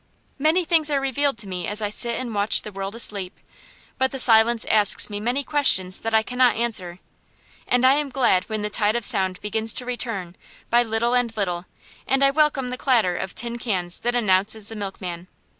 Many things are revealed to me as I sit and watch the world asleep. But the silence asks me many questions that I cannot answer; and I am glad when the tide of sound begins to return, by little and little, and I welcome the clatter of tin cans that announces the milkman.